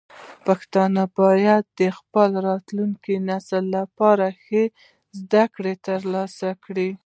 پښتانه باید د خپل راتلونکي نسل لپاره ښه زده کړې ترلاسه کړي.